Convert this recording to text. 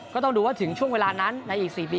ก็ต้องดูว่าถึงช่วงเวลานั้นในอีก๔ปี